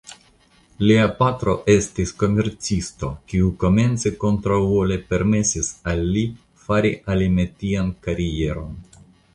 Lia patro estis komercisto kiu komence kontraŭvole permesis al li fari alimetian karieron.